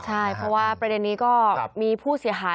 ใช่เพราะว่าประเด็นนี้ก็มีผู้เสียหาย